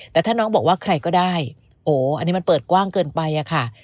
แต่ถ้าน้องบอกว่าใครก็ได้โอ้อันนี้มันเปิดกว้างเกินไปอะค่ะ